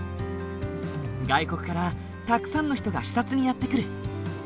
外国からたくさんの人が視察にやって来る。